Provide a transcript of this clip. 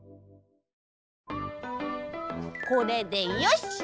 これでよし！